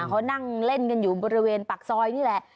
เขานั่งเล่นกันอยู่บริเวณปากซอยนี่แหละ